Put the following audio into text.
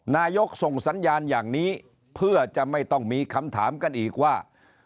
นายกส่งสัญญาณอย่างนี้เพื่อจะไม่ต้องมีคำถามกันอีกว่า